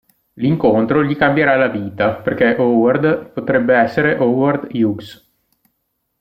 L'incontro gli cambierà la vita, perché Howard potrebbe essere Howard Hughes.